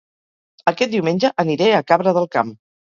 Aquest diumenge aniré a Cabra del Camp